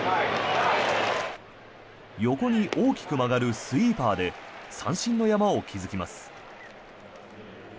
横に大きく曲がるスイーパーで三振の山を築きます。